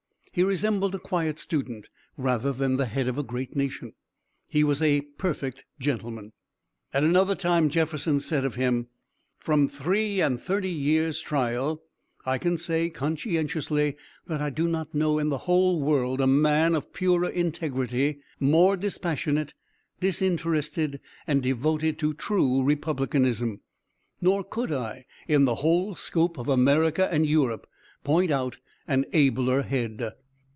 He resembled a quiet student, rather than the head of a great nation. He was a perfect gentleman. At another time Jefferson said of him: "From three and thirty years' trial I can say conscientiously that I do not know IN THE WHOLE WORLD a man of purer integrity, more dispassionate, disinterested, and devoted to true republicanism; nor could I in the whole scope of America and Europe point out an abler head."